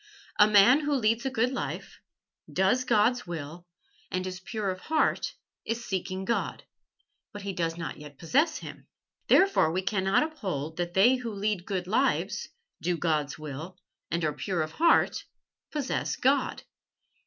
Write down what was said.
A man who leads a good life, does God's will, and is pure of heart, is seeking God. But he does not yet possess Him. Therefore we cannot uphold that they who lead good lives, do God's will, and are pure of heart, possess God."